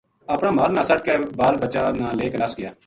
اپنا مال نا سَٹ کے بال بچا نا لے نَس گیا